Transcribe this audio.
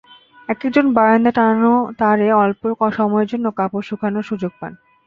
একেকজন বারান্দায় টানানো তারে অল্প সময়ের জন্য কাপড় শুকানোর সুযোগ পান।